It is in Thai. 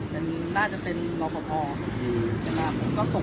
ตอนนี้กำหนังไปคุยของผู้สาวว่ามีคนละตบ